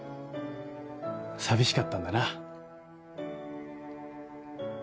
寂しかったんだな。